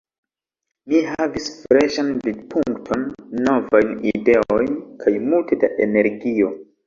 Mi havis freŝan vidpunkton, novajn ideojn kaj multe da energio.